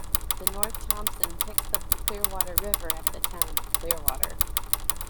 The North Thompson picks up the Clearwater River at the town of Clearwater.